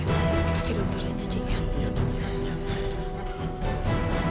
kita cek dokter lain aja ya